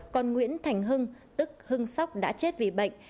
còn nguyễn thành hưng tức hưng sóc đã chết vì bệnh